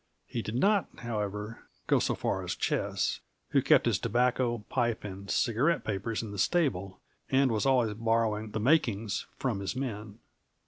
He did not, however, go so far as Ches, who kept his tobacco, pipe, and cigarette papers in the stable, and was always borrowing "the makings" from his men.